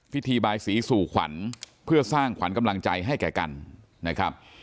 บายสีสู่ขวัญเพื่อสร้างขวัญกำลังใจให้แก่กันนะครับ